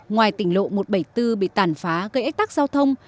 ngoài tỉnh lộ một trăm bảy mươi bốn bị tàn phá gây ách tắc giao thông